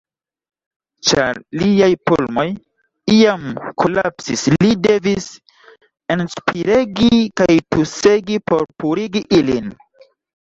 Ĉar liaj pulmoj iam kolapsis, li devis enspiregi kaj tusegi por purigi ilin.